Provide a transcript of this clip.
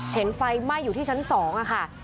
ไฟไหม้อยู่ที่ชั้น๒ค่ะ